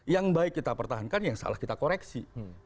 yang baik kita pertahankan yang salah kita koreksi